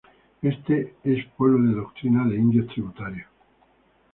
Este es pueblo de doctrina de indios tributarios.